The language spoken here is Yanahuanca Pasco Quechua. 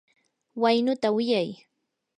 waynuta wiyay.